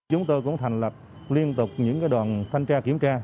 chúng tôi cũng thành lập liên tục những đoàn thanh tra kiểm tra